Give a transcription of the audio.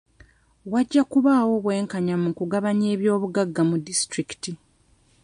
Wajja kubawo obw'enkanya mu kugabanya eby'obugagga mu disitulikiti.